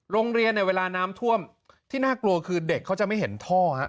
โรงเรียนเนี่ยเวลาน้ำท่วมที่น่ากลัวคือเด็กเขาจะไม่เห็นท่อฮะ